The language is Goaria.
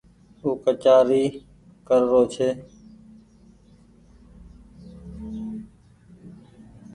او ڪچآري ڪر رو ڇي۔